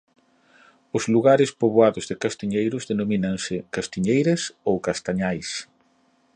Os lugares poboados de castiñeiros denomínanse castiñeiras ou castañais.